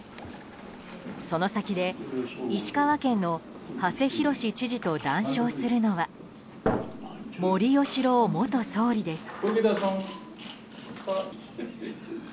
その先で、石川県の馳浩知事と談笑するのは森喜朗元総理です。